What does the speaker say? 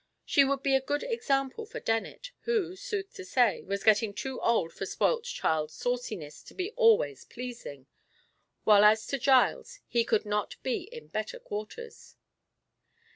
She would be a good example for Dennet, who, sooth to say, was getting too old for spoilt child sauciness to be always pleasing, while as to Giles, he could not be in better quarters.